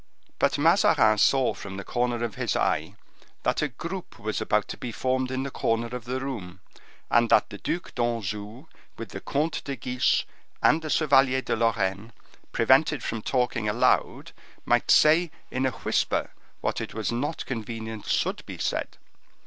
But Mazarin saw from the corner of his eye that a group was about to be formed in the corner of the room, and that the Duc d'Anjou, with the Comte de Guiche, and the Chevalier de Lorraine, prevented from talking aloud, might say, in a whisper, what it was not convenient should be said.